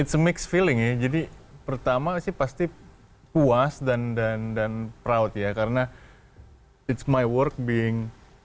it's a mixed feeling ya jadi pertama sih pasti puas dan proud ya karena it's my work being